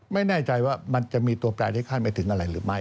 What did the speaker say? ไม่แน่ใจว่ามันจะมีตัวแปลที่คาดไปถึงอะไรหรือไม่